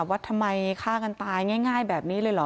ว่าทำไมฆ่ากันตายง่ายแบบนี้เลยเหรอ